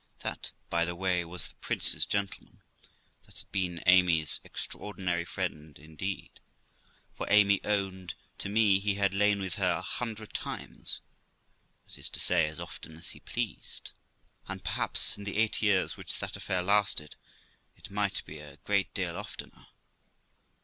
That, by the way, was the prince's gentleman, that had been Amy's ex traordinary friend indeed, for Amy owned to me he had lain with her a hundred times, that is to say, as often as he pleased, and perhaps in the eight years which that affair lasted it might be a great deal oftener.